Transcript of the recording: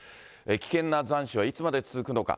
危険な残暑はいつまで続くのか。